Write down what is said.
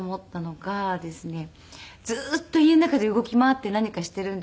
ずっと家の中で動き回って何かしているんですね。